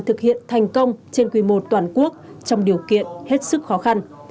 thực hiện thành công trên quy mô toàn quốc trong điều kiện hết sức khó khăn